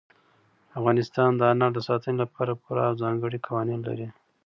افغانستان د انارو د ساتنې لپاره پوره او ځانګړي قوانین لري.